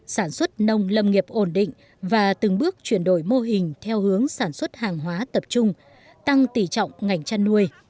sản xuất nông lâm nghiệp ổn định và từng bước chuyển đổi mô hình theo hướng sản xuất hàng hóa tập trung tăng tỉ trọng ngành chăn nuôi